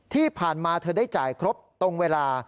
ที่ผ่านมาเธอได้จ่ายครบตรงเวลา